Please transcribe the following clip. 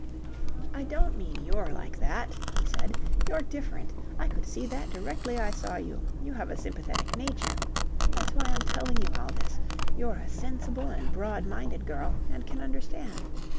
"I don't mean you're like that," he said. "You're different. I could see that directly I saw you. You have a sympathetic nature. That's why I'm telling you all this. You're a sensible and broad minded girl and can understand.